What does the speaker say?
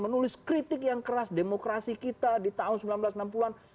menulis kritik yang keras demokrasi kita di tahun seribu sembilan ratus enam puluh an